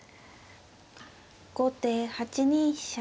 後手８二飛車。